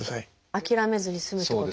諦めずに済むってことですね。